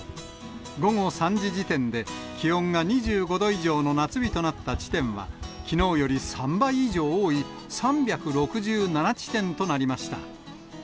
午後３時時点で気温が２５度以上の夏日となった地点は、きのうより３倍以上多い３６７地点となりました。